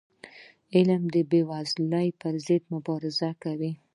علم د بېوزلی پر ضد مبارزه کوي.